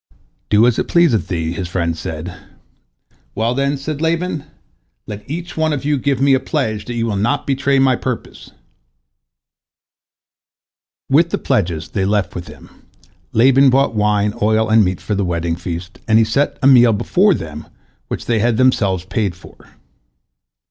"Do as it pleaseth thee," his friends said. "Well, then," said Laban, "let each one of you give me a pledge that ye will not betray my purpose." With the pledges they left with him, Laban bought wine, oil, and meat for the wedding feast, and he set a meal before them which they had themselves paid for.